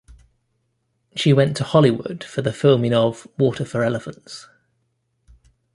She went to Hollywood for the filming of "Water for Elephants".